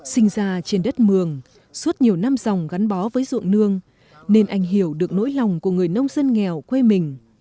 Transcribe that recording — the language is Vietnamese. sinh ra trên đất mường suốt nhiều năm dòng gắn bó với ruộng nương nên anh hiểu được nỗi lòng của người nông dân nghèo quê mình